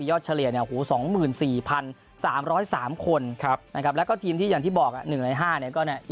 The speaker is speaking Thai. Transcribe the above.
เฉลี่ยเนี่ยหู๒๔๓๐๓คนนะครับแล้วก็ทีมที่อย่างที่บอก๑ใน๕เนี่ยก็เนี่ย